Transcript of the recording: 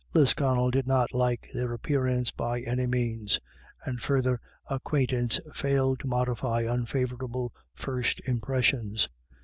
Lisconnel did not like their appearance by any means, and further acquaintance failed to modify unfavourable first impressions.